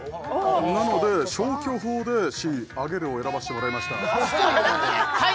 なので消去法でＣ揚げるを選ばせてもらいましただあ！